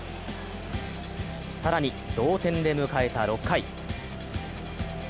更に同点で迎えた６回。